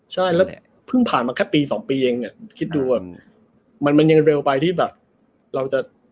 ใช่แล้วเพิ่งผ่านมาแค่ปี๒ปีเองคิดดูมันยังเร็วไปที่แบบเราจะ